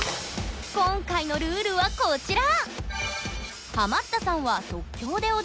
今回のルールはこちら！